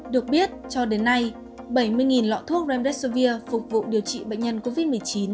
được biết cho đến nay bảy mươi lọ thuốc remdesovir phục vụ điều trị bệnh nhân covid một mươi chín